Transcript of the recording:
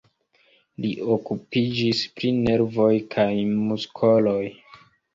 Li okupiĝis pri nervoj kaj muskoloj.